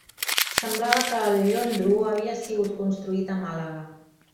Semblava que el llondro havia sigut construït a Màlaga.